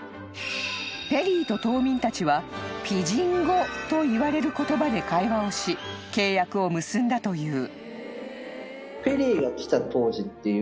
［ペリーと島民たちはピジン語と言われる言葉で会話をし契約を結んだという］